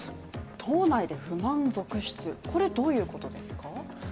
党内で不満続出、これ、どういうことですか？